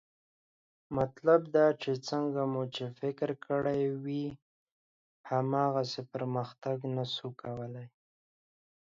مطلب دا چې څنګه مو چې فکر کړی وي، هماغسې پرمختګ نه شو کولی